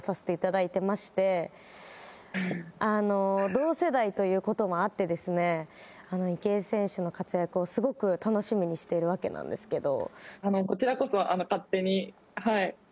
同世代ということもあって池江選手の活躍をすごく楽しみにしているわけなんですけど。